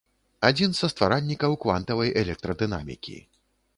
Адзін са стваральнікаў квантавай электрадынамікі.